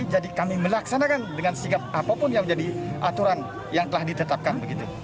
jadi kami melaksanakan dengan singkat apapun yang menjadi aturan yang telah ditetapkan